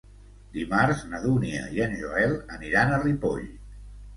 Dimarts na Dúnia i en Joel aniran a Ripoll.